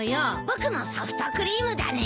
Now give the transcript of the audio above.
僕もソフトクリームだね。